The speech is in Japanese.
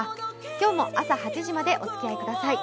今日も朝８時までお付き合いください。